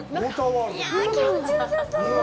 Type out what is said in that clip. いや、気持ちよさそう！